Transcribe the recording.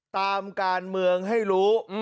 ตามการเมืองให้รู้